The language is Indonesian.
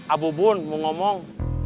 abu bun mau ngomong